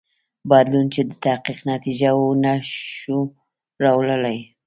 بدلون چې د تحقیق نتیجه وه نه شو راوړلای.